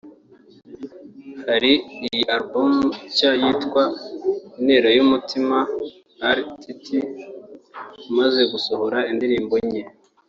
Kuri iyi Album nshya yise ‘Intero y’Umutima’ R Tuty amaze gusohoraho indirimbo nke